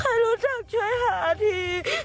ให้รู้จักช่วยหาที